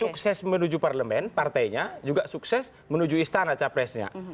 sukses menuju parlemen partainya juga sukses menuju istana capresnya